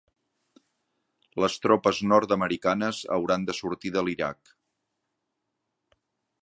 Les tropes nord-americanes hauran de sortir de l'Iraq